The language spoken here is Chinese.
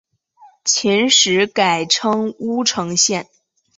秦时改称乌程县。